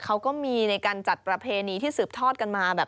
เขาก็มีในการจัดประเพณีที่สืบทอดกันมาแบบ